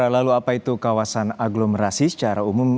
lalu apa itu kawasan aglomerasi secara umum